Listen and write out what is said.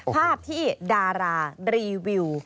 ภาพที่ดารารีวิว